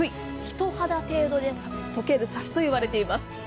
人肌程度で溶けるサシといわれています。